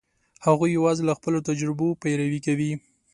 هغوی یواځې له خپلو تجربو پیروي کوي.